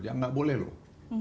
ya nggak boleh loh